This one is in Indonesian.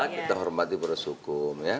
kita hormati para suku